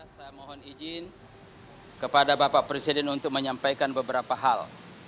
saya mohon izin kepada bapak presiden untuk menyampaikan beberapa hal